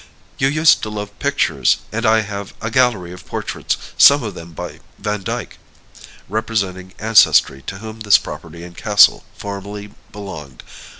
You used to love pictures, and I have a gallery of portraits, some of them by Vandyke, representing ancestry to whom this property and castle formerly belonged.